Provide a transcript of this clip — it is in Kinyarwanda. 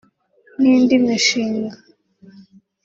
n’indi mishinga